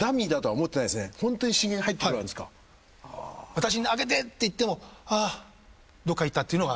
私に上げてっていってもあっどっか行ったっていうのが。